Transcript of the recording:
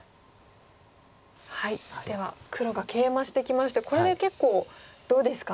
では黒がケイマしてきましてこれで結構どうですか？